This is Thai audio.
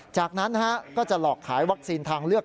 จากนั้นก็จะหลอกขายวัคซีนทางเลือก